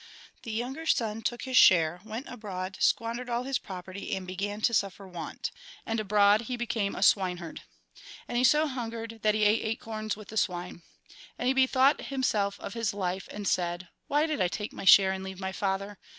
The younger son took his share, went abroad, squandered all his property, and began to suffer want. And abroad, he became a swineherd. And he so hungered, that he ate acorns with the swine. And he bethought O himself of his life, and said :' Why did I take my share and leave my father